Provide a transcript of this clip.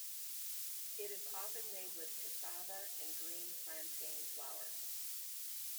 It is often made with cassava and green Plantain Flour.